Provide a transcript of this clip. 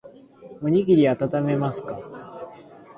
おにぎりあたためますか